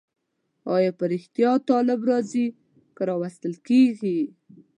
آیا په رښتیا طالب راځي که راوستل کېږي؟